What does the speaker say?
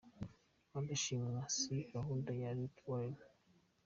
Rwanda shima si gahunda ya Rick Warren’.